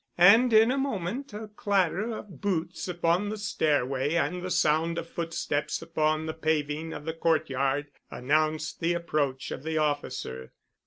And in a moment a clatter of boots upon the stairway and the sound of footsteps upon the paving of the courtyard announced the approach of the officer.